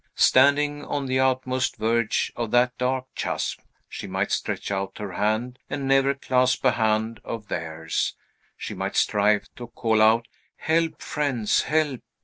Standing on the utmost verge of that dark chasm, she might stretch out her hand, and never clasp a hand of theirs; she might strive to call out, "Help, friends! help!"